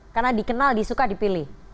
karena dikenal disuka dipilih